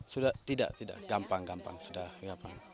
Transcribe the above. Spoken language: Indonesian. sudah tidak tidak gampang gampang